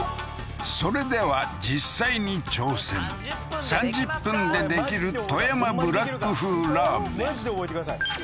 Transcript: それでは実際に挑戦３０分でできる富山ブラック風ラーメンマジで覚えてください